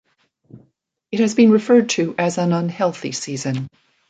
It has been referred to as an unhealthy season.